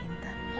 ini bonus semua